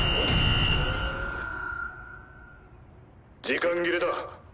時間切れだ。